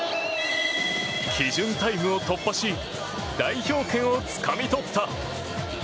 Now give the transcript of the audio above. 基準タイムを突破し代表権をつかみ取った。